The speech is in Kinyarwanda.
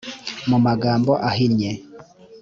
mu magambo ahinnye